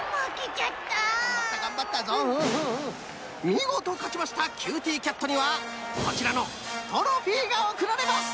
みごとかちましたキューティーキャットにはこちらのトロフィーがおくられます！